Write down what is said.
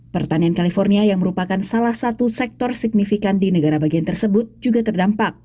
pertanian california yang merupakan salah satu sektor signifikan di negara bagian tersebut juga terdampak